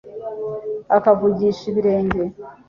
akavugisha ibirenge